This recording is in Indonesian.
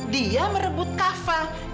dia merebut kava